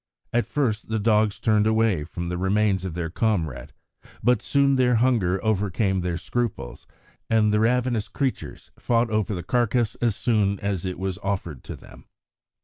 At first the dogs turned away from the remains of their comrade, but soon their hunger overcame their scruples, and the ravenous creatures fought over the carcase as soon as it was offered to them.